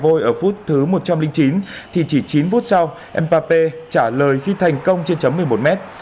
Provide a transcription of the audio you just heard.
vô địch ở phút thứ một trăm linh chín thì chỉ chín phút sau mbappé trả lời khi thành công trên chấm một mươi một mét